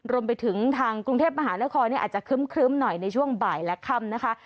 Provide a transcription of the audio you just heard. รวมไปถึงทางกรุงเทพมหานครอาจจะครึ้มหน่อยในช่วงบ่ายและค่ำนะคะ